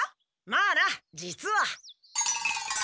まあな実は。